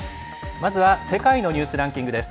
まずは「世界のニュースランキング」です。